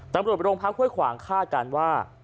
ตำรวจไปโรงพักษ์ค่อยขวางฆ่ากันว่า